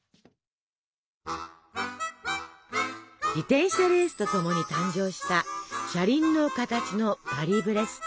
自転車レースとともに誕生した車輪の形のパリブレスト。